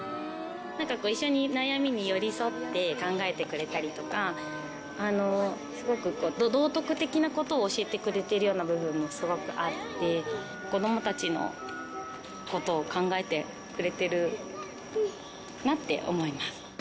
なんか一緒に悩みに寄り添って考えてくれたりとか、すごく道徳的なことを教えてくれてるような部分もすごくあって、子どもたちのことを考えてくれてるなって思います。